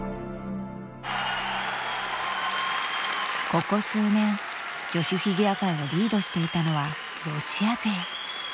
ここ数年女子フィギュア界をリードしていたのはロシア勢。